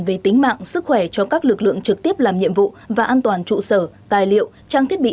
về tính mạng sức khỏe cho các lực lượng trực tiếp làm nhiệm vụ và an toàn trụ sở tài liệu trang thiết bị